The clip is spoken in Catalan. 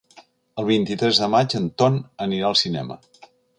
El vint-i-tres de maig en Ton anirà al cinema.